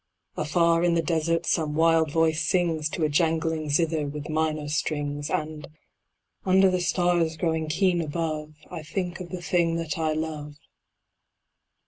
Afar, in the Desert some wild voice sings To a jangling zither with minor strings, And, under the stars growing keen above, I think of the thing that I love.